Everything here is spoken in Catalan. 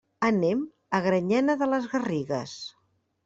Anem a Granyena de les Garrigues.